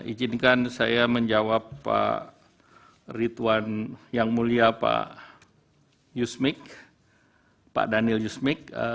izinkan saya menjawab pak rituan yang mulia pak yusmik pak daniel yusmik